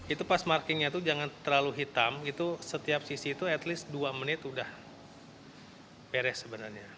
itu pas markingnya itu jangan terlalu hitam itu setiap sisi itu at least dua menit udah beres sebenarnya